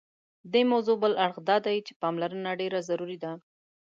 دې موضوع بل اړخ دادی چې پاملرنه ډېره ضروري ده.